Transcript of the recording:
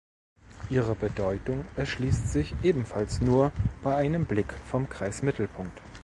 Ihre Bedeutung erschließt sich ebenfalls nur bei einem Blick vom Kreismittelpunkt.